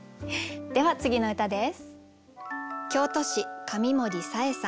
では次の歌です。